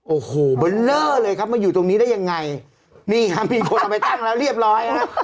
โอ้โหเบอร์เลอร์เลยครับมาอยู่ตรงนี้ได้ยังไงนี่ครับมีคนเอาไปตั้งแล้วเรียบร้อยฮะ